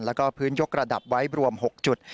แล้วก็พื้นยกระดับไว้รวม๖จุด